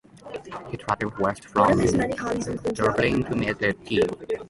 He travelled west from Dublin to meet the team.